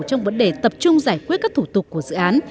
trong vấn đề tập trung giải quyết các thủ tục của dự án